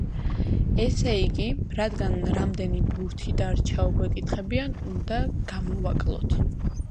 ესე იგი, რადგან რამდენი ბურთი დარჩაო გვეკითხებიან, უნდა გამოვაკლოთ.